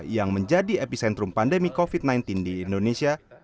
yang menjadi epicentrum pandemi covid sembilan belas di indonesia